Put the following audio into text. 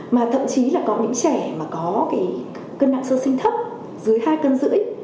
mà thậm chí là có những trẻ mà có cái cân nặng sơ sinh thấp dưới hai cân rưỡi